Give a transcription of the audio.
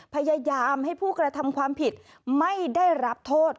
พยายามให้ผู้กระทำความผิดไม่ได้รับโทษ